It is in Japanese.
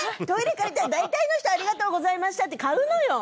借りたら大体の人「ありがとうございました」って買うのよ。